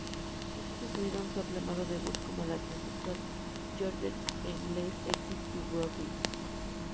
Estas incluyeron su aclamado debut como la transexual Georgette en "Last Exit to Brooklyn".